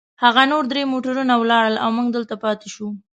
هغه نور درې موټرونه ولاړل، او موږ دلته پاتې شوو.